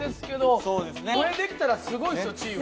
これできたらすごいっすよチーフ。